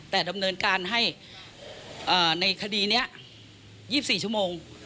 แต่ดำเนินการให้ในคดีนี้๒๔ชั่วโมง